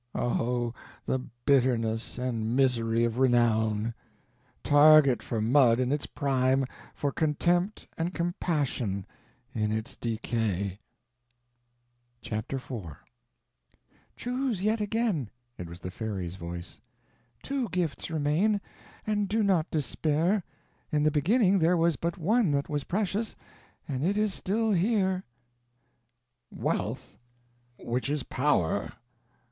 Oh, the bitterness and misery of renown! target for mud in its prime, for contempt and compassion in its decay." Chapter IV "Chose yet again." It was the fairy's voice. "Two gifts remain. And do not despair. In the beginning there was but one that was precious, and it is still here." "Wealth which is power!